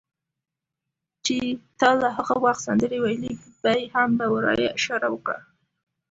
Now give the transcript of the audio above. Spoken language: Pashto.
چې تا لا هغه وخت سندرې ویلې، ببۍ هم له ورایه اشاره وکړه.